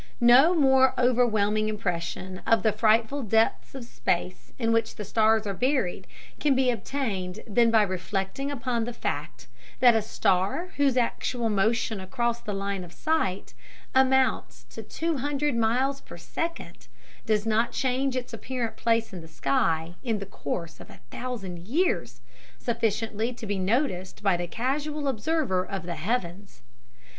No more overwhelming impression of the frightful depths of space in which the stars are buried can be obtained than by reflecting upon the fact that a star whose actual motion across the line of sight amounts to two hundred miles per second does not change its apparent place in the sky, in the course of a thousand years, sufficiently to be noticed by the casual observer of the heavens!